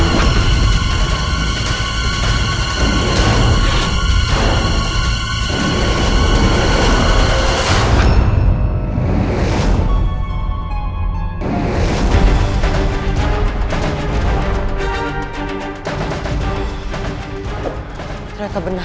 titel waktu yang tertentu